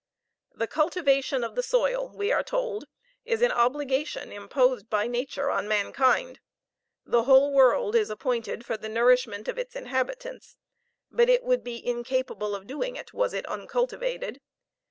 "The cultivation of the soil," we are told, "is an obligation imposed by nature on mankind. The whole world is appointed for the nourishment of its inhabitants; but it would be incapable of doing it, was it uncultivated.